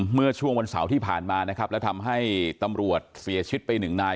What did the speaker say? เมื่อช่วงวันเสาร์ที่ผ่านมานะครับแล้วทำให้ตำรวจเสียชีวิตไปหนึ่งนาย